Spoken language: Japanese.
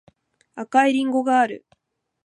赤いりんごがある